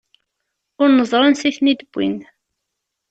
Ur neẓri ansi i ten-id-wwin.